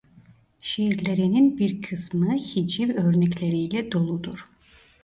Şiirlerinin bir kısmı hiciv örnekleriyle doludur.